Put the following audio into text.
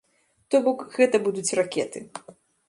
То бок, гэта будуць ракеты.